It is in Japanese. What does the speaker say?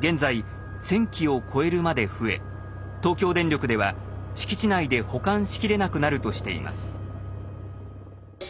現在１，０００基を超えるまで増え東京電力では敷地内で保管しきれなくなるとしています。